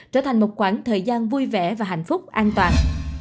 trở thành một khoảng thời gian vui vẻ và hạnh phúc an toàn